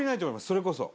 それこそ。